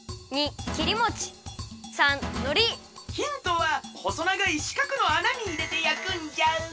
ヒントはほそながいしかくのあなにいれてやくんじゃ。